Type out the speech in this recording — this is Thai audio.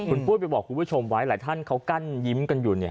คุณปุ้ยไปบอกคุณผู้ชมไว้หลายท่านเขากั้นยิ้มกันอยู่เนี่ย